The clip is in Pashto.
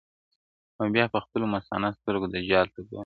او بیا په خپلو مستانه سترګو دجال ته ګورم.